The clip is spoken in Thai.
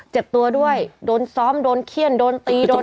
เจ็บตัวด้วยโดนซ้อมโดนเขี้ยนโดนตีโดน